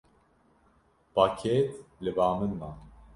Pakêt li ba min ma.